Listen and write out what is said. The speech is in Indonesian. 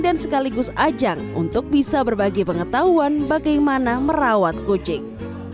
dan sekaligus ajang untuk bisa berbagi pengetahuan bagaimana merawat kucing